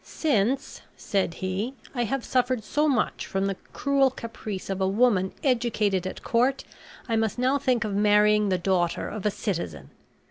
"Since," said he, "I have suffered so much from the cruel caprice of a woman educated at court, I must now think of marrying the daughter of a citizen."